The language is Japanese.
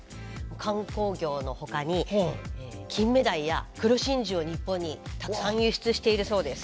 観光業のほかに金目鯛や黒真珠を日本にたくさん輸出しているそうです。